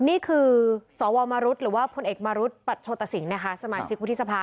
นี่คือสวมรุษย์หรือว่าพเอกมรุษย์ปัชโชตสิงห์สมาชิกพฤทธิสภา